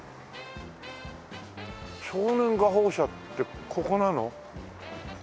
少年画報社ってここなの？